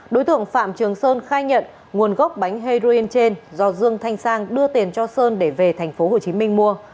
đối tượng phạm trường sơn khai nhận nguồn gốc bánh heroin trên do dương thanh sang đưa tiền cho sơn để về tp hcm mua